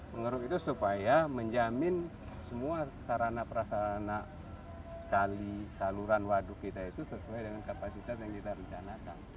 mengeruk itu supaya menjamin semua sarana prasarana kali saluran waduk kita itu sesuai dengan kapasitas yang kita rencanakan